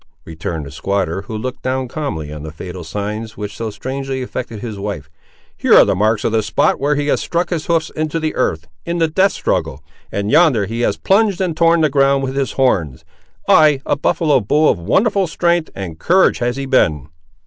returned the squatter, who looked down calmly on the fatal signs which so strangely affected his wife. "Here are the marks of the spot where he has struck his hoofs into the earth, in the death struggle; and yonder he has plunged and torn the ground with his horns. Ay, a buffaloe bull of wonderful strength and courage has he been!"